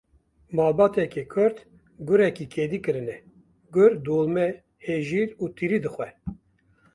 Malbateke Kurd gurek kedî kirine; Gur dolme, hejîr û tirî dixwe.